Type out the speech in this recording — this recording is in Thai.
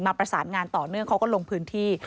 ประสานงานต่อเนื่องเขาก็ลงพื้นที่